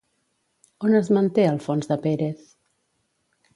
On es manté el fons de Pérez?